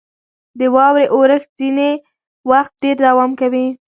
• د واورې اورښت ځینې وخت ډېر دوام کوي.